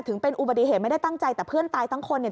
ถึงเป็นอุบัติเหตุไม่ได้ตั้งใจแต่เพื่อนตายทั้งคนเนี่ย